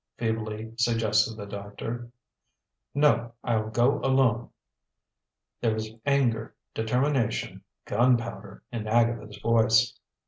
feebly suggested the doctor. "No, I'll go alone." There was anger, determination, gunpowder in Agatha's voice.